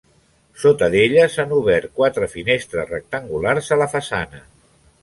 Sota d'ella, s'han obert quatre finestres rectangulars a la façana.